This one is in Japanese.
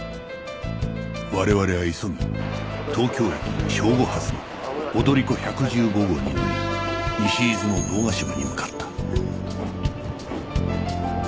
我々は急ぎ東京駅正午発の踊り子１１５号に乗り西伊豆の堂ヶ島に向かった